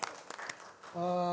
ああ。